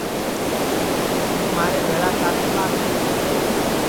توں مھارے بھیݪا چالوں گا کیا